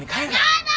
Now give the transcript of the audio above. やだ！